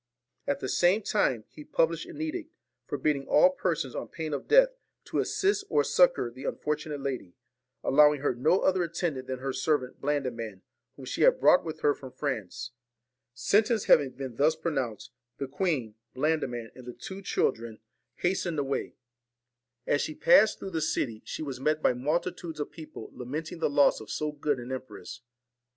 At the same time he published an edict, forbidding all persons, on pain of death, to assist or succour the unfortunate lady, allowing her no other attendant than her servant Blandiman, whom she had brought with her from France. Sentence having been thus pronounced, the queen, Blandiman, and the two children, VALEN hastened away. As she passed through the city, TINE AND she was met by multitudes of people lamenting the ORSON joss O f so g 00 d an empress.